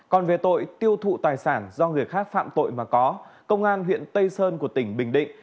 còn về tội tiêu thụ tài sản do người khác phạm tội mà có công an huyện tây sơn của tỉnh bình định